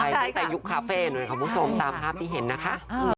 ตั้งแต่ยุคคาเฟ่หน่อยคุณผู้ชมตามภาพที่เห็นนะคะ